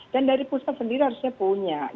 dan dari pusat sendiri harusnya punya